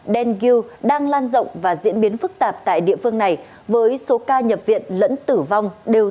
den đang lan rộng và diễn biến phức tạp tại địa phương này với số ca nhập viện lẫn tử vong đều